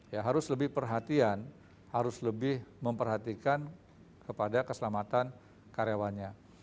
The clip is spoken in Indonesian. ya harus lebih perhatian harus lebih memperhatikan kepada keselamatan karyawannya